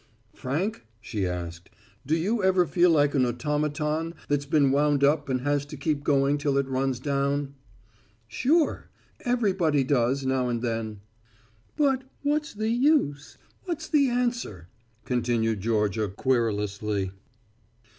"Frank," she asked, "do you ever feel like an automaton that's been wound up and has to keep going till it runs down!" "Sure. Everybody does, now and then." "But what's the use? what's the answer?" continued Georgia querulously.